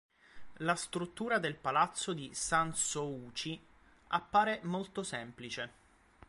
La struttura del palazzo di Sanssouci appare molto semplice.